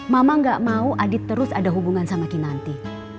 mama gak mau adit terus ada hubungan sama kinanti